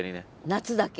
夏だけ？